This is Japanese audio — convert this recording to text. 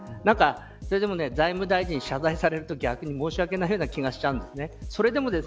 それでも、財務大臣に謝罪されると申し訳ないような気がしちゃうんです。